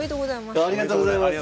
ありがとうございます。